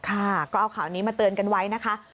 ค่ะก็เอาข่าวนี้มาเตือนกันไว้นะคะ